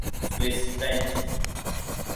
Swiss French